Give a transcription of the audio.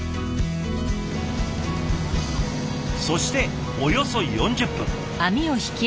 そしておよそ４０分。